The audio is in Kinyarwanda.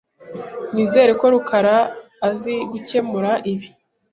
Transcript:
Nizere ko rukara azi gukemura ibi .